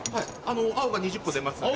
青が２０個出ますんで。